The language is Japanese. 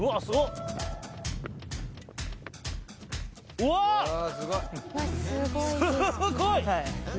すごい！